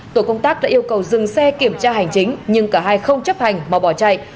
tổ công tác đã yêu cầu dừng xe kiểm tra hành chính nhưng cả hai không chấp hành mà bỏ chạy